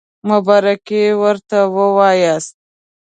مبارکي ورته ووایاست.